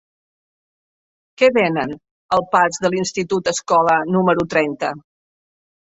Què venen al pas de l'Institut Escola número trenta?